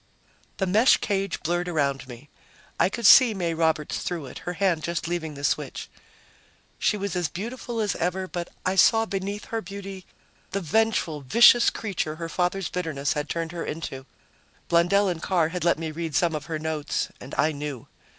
The mesh cage blurred around me. I could see May Roberts through it, her hand just leaving the switch. She was as beautiful as ever, but I saw beneath her beauty the vengeful, vicious creature her father's bitterness had turned her into; Blundell and Carr had let me read some of her notes, and I knew.